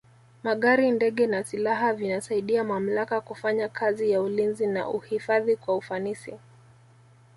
magari ndege na silaha vinasaidia mamlaka kufanya kazi ya ulinzi na uhifadhi kwa ufanisi